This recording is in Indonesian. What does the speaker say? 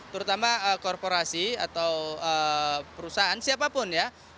terutama korporasi atau perusahaan siapapun ya